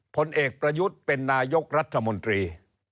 ผลเอกประยุทธ์เป็นนายกรัฐมนตรี